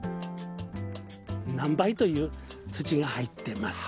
何倍という土が入ってます。